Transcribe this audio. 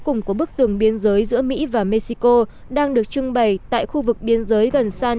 cùng của bức tường biên giới giữa mỹ và mexico đang được trưng bày tại khu vực biên giới gần san